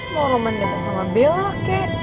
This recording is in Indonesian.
mau roman dateng sama bella kek